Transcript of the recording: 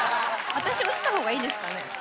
私落ちたほうがいいですかね。